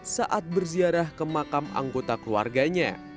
saat berziarah ke makam anggota keluarganya